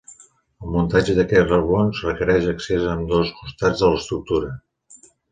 El muntatge d'aquests reblons requereix accés a ambdós costats de l'estructura.